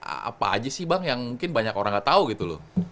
apa aja sih bang yang mungkin banyak orang nggak tahu gitu loh